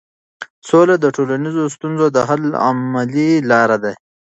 سوله د ټولنیزو ستونزو د حل عملي لار ده.